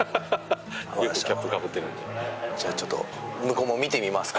じゃあちょっと向こうも見てみますか。